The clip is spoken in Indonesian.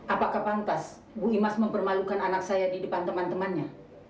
apakah pantas bu imas mempermalukan anak saya di depan teman temannya